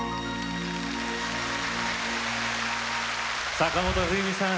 坂本冬美さん